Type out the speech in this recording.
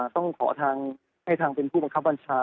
ต้องขอทางให้ทางเป็นผู้บังคับบัญชา